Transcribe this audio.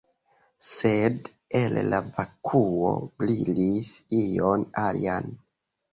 Sed, el la vakuo brilis ion alian.